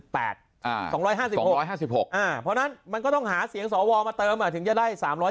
เพราะฉะนั้นมันก็ต้องหาเสียงสวมาเติมถึงจะได้๓๐๐